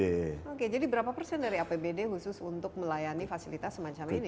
oke jadi berapa persen dari apbd khusus untuk melayani fasilitas semacam ini